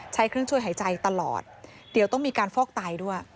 ใช้เครื่องช่วยหายใจตลอดเดี๋ยวต้องมีการฟอกไตด้วย